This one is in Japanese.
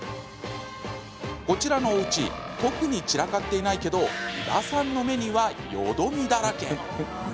こちらのおうち特に散らかっていないけど井田さんの目にはよどみだらけ。